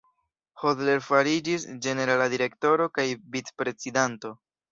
Hodler fariĝis Ĝenerala Direktoro kaj Vicprezidanto.